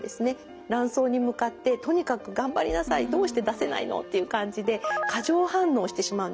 卵巣に向かってとにかく頑張りなさいどうして出せないのっていう感じで過剰反応してしまうんですね。